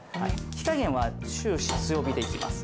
火加減は終始強火でいきます